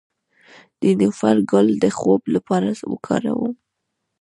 د نیلوفر ګل د خوب لپاره وکاروئ